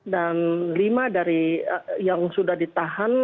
dan lima dari yang sudah ditahan